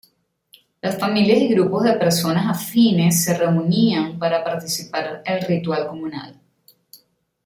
Las familias y grupos de persona afines se reunían para participar el ritual comunal.